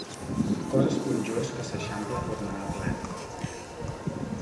Cos esponjós que s'eixampla formant el gland.